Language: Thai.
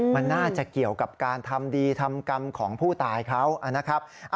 มันน่าจะเกี่ยวกับการทำดีทำกรรมของผู้ตายเขานะครับ